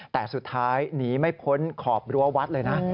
แต่สุดท้ายหนีไม่พ้นขอบรั้ววัดเลยนะ